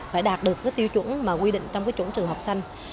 phải đạt được cái tiêu chuẩn mà quy định trong cái chuẩn trường hợp xanh